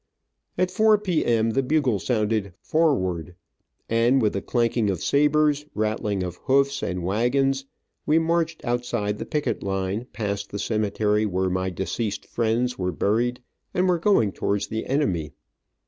At 4 p.m. the bugle sounded "forward," and with the clanking of sabers, rattling of hoofs and wagons, we marched outside the picket line, past the cemetery where my deceased friends were buried, and were going towards the enemy.